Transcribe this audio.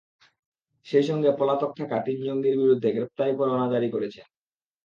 সেই সঙ্গে পলাতক থাকা তিন জঙ্গির বিরুদ্ধে গ্রেপ্তারি পরোয়ানা জারি করেছেন।